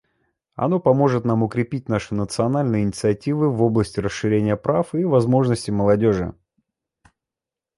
Оно поможет нам укрепить наши национальные инициативы в области расширения прав и возможностей молодежи.